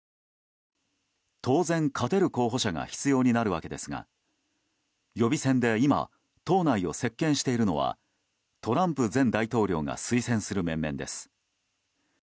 当然、勝てる候補者が必要になるわけですが予備選で今、党内を席巻しているのはトランプ前大統領が推薦する面々です。